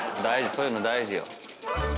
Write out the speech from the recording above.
そういうの大事よ。